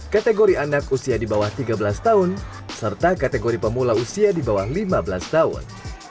kategori anak usia di bawah tiga belas tahun serta kategori pemula usia di bawah lima belas tahun